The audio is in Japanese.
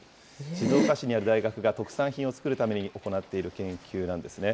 静岡市にある大学が特産品を作るために行っている研究なんですね。